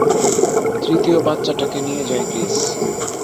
তৃতীয় বাচ্চাটাকে নিয়ে যায় ক্রিস।